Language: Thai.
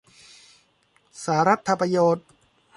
สารัตถประโยชน์